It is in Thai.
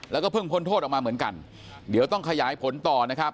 แล้วก็เพิ่งพ้นโทษออกมาเหมือนกันเดี๋ยวต้องขยายผลต่อนะครับ